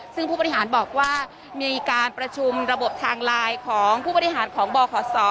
ซึ่งผู้บริหารบอกว่ามีการประชุมระบบทางไลน์ของผู้บริหารของบขศ